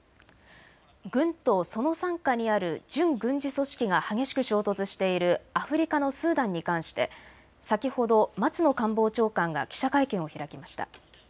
軍とその傘下にある準軍事組織が激しく衝突しているアフリカのスーダンに関して先ほど松野官房長官が記者会見を開きました。